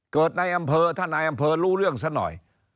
เกิดในอำเภอถ้านายอำเภอรู้เรื่องซะหน่อย